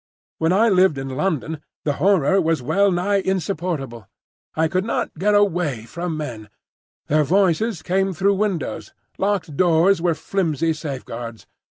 When I lived in London the horror was well nigh insupportable. I could not get away from men: their voices came through windows; locked doors were flimsy safeguards.